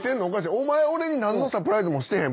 お前俺に何のサプライズもしてへん。